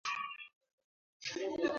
Banaenda kuniuzia kompiuta